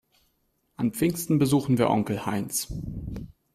An Pfingsten besuchen wir Onkel Heinz.